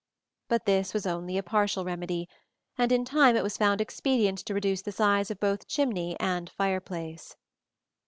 But this was only a partial remedy, and in time it was found expedient to reduce the size of both chimney and fireplace.